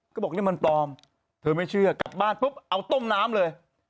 ก็บอกนี่มันปลอมเธอไม่เชื่อกลับบ้านปุ๊บเอาต้มน้ำเลย